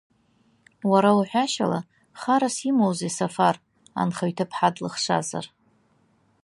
Уара уҳәашьала, харас имоузеи Сафаранхаҩ ҭыԥҳа длыхшазар?